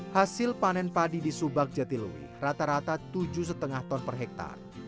hasil panen padi di subak jatilui rata rata tujuh lima ton per hektare